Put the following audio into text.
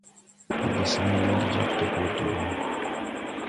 Ndi de say yerge jāg tupuri deban.